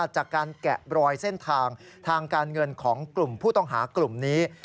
แกะรอยเส้นทางทางการเงินของกลุ่มผู้ต้องหากลุ่มนี้